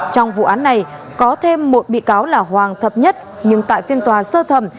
trong vụ án này có thêm một bị cáo là hoàng thập nhất nhưng tại phiên tòa sơ thẩm